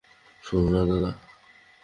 শুনো না দাদা।